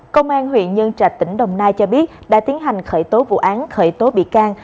công an huyện nhân trạch tỉnh đồng nai cho biết đã tiến hành khởi tố vụ án khởi tố bị can